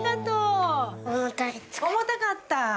重たかった？